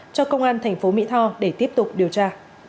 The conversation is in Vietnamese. cho công an tp mỹ tho để tiếp tục điều tra